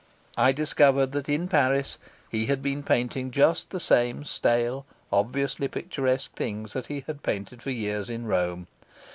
I discovered that in Paris he had been painting just the same stale, obviously picturesque things that he had painted for years in Rome.